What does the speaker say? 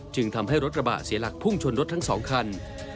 ทำให้รถกระบะเสียหลักพุ่งชนรถทั้ง๒คัน